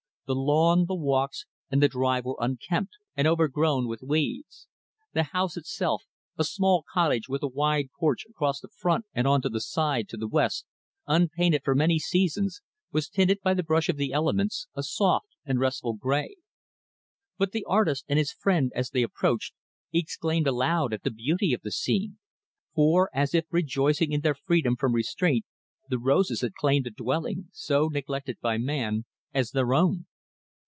The lawn, the walks, and the drive were unkempt and overgrown with weeds. The house itself, a small cottage with a wide porch across the front and on the side to the west, unpainted for many seasons, was tinted by the brush of the elements, a soft and restful gray. But the artist and his friend, as they approached, exclaimed aloud at the beauty of the scene; for, as if rejoicing in their freedom from restraint, the roses had claimed the dwelling, so neglected by man, as their own.